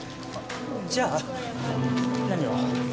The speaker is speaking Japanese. じゃあ何を？